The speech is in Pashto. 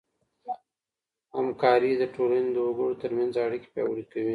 همکاري د ټولني د وګړو ترمنځ اړیکې پیاوړې کوي.